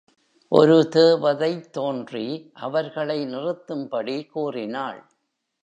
ஒரு தேவதைத் தோன்றி அவர்களை நிறுத்தும்படி கூறினாள்.